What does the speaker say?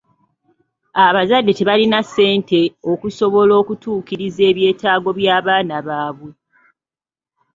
Abazadde tebalina ssente okusobola okutuukiriza ebyetaago by'abaana baabwe.